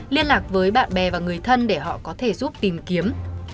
liên lạc với bạn bè và người thân để họ có thể giúp tìm kiếm